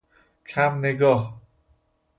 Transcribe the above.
کم نگاه